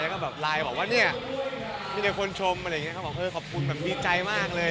แล้วก็ไลน์บอกว่านี่มีแต่คนชมเขาบอกขอบคุณดีใจมากเลย